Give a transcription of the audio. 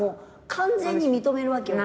完全に認めるわけよ